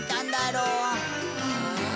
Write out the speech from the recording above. うん？